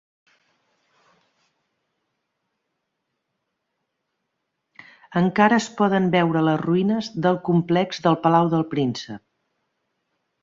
Encara es poden veure les ruïnes del complex del Palau del Príncep.